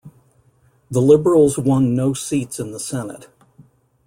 The Liberals won no seats in the senate.